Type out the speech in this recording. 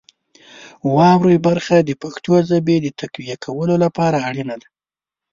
واورئ برخه د پښتو ژبې د تقویه کولو لپاره اړینه ده.